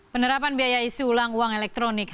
penerapan biaya isi ulang uang elektronik